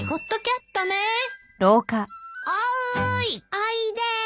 おいで！